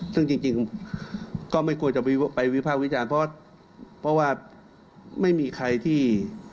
ซึ่งจริงก็ไม่ควรจะไปวิภาควิจารณ์เพราะว่าไม่มีใครที่